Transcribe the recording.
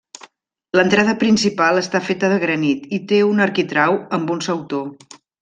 L'entrada principal està feta de granit i té un arquitrau amb un sautor.